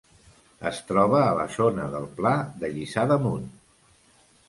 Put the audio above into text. Es troba a la zona del Pla de Lliçà d'Amunt.